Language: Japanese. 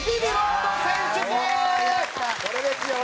これですよ。